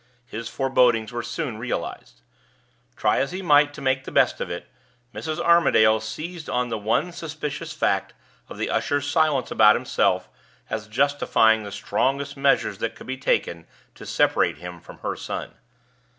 His forebodings were soon realized. Try as he might to make the best of it, Mrs. Armadale seized on the one suspicious fact of the usher's silence about himself as justifying the strongest measures that could be taken to separate him from her son.